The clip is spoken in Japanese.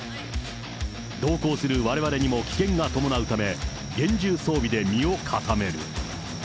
同行するわれわれにも危険が伴うため、厳重装備で身を固める。